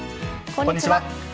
こんにちは。